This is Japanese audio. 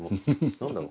何だろう？